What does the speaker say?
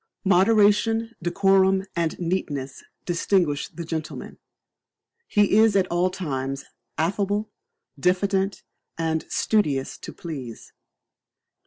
Moderation, decorum, and neatness distinguish the gentleman; he is at all times affable, diffident, and studious to please.